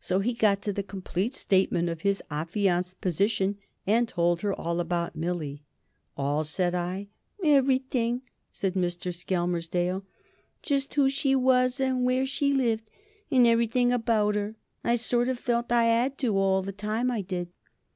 So he got to the complete statement of his affianced position, and told her all about Millie. "All?" said I. "Everything," said Mr. Skelmersdale, "just who she was, and where she lived, and everything about her. I sort of felt I 'ad to all the time, I did."